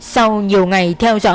sau nhiều ngày theo dõi